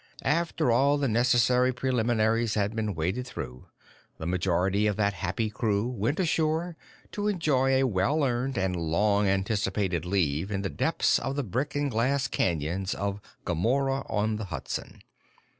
After all the necessary preliminaries had been waded through, the majority of that happy crew went ashore to enjoy a well earned and long anticipated leave in the depths of the brick and glass canyons of Gomorrah on the Hudson.